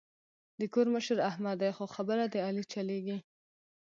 د کور مشر احمد دی خو خبره د علي چلېږي.